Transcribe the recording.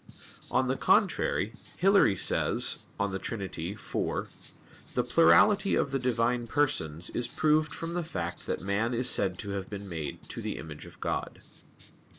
On the contrary, Hilary says (De Trin. iv): "The plurality of the Divine Persons is proved from the fact that man is said to have been made to the image of God."